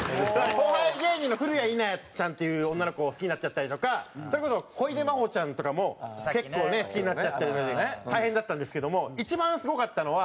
後輩芸人のふるやいなやちゃんっていう女の子を好きになっちゃったりとかそれこそ小出真保ちゃんとかも結構ね好きになっちゃったり大変だったんですけども一番すごかったのは。